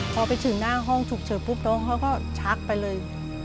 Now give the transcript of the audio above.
พอไปถึงหน้าห้องฉุกเฉินปุ๊บน้องเขาก็ชักไปเลย